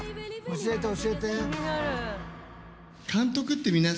教えて教えて。